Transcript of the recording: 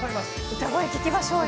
歌声、聴きましょうよ。